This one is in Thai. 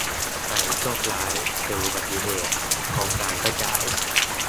ใคร "โชคร้าย" เจออุบัติเหตุ กองกลางก็จ่าย